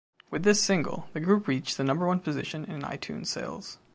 With this single, the group reached number one position in iTunes sales.